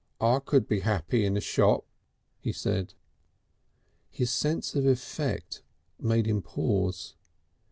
"I could be happy in a shop," he said. His sense of effect made him pause.